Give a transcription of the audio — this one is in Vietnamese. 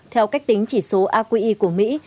theo cách tính chỉ số aqi của mỹ